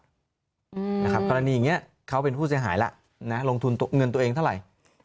นะครับกรณีอย่างนี้เขาเป็นผู้เสียหายล่ะนะลงทุนเงินตัวเองเท่าไหร่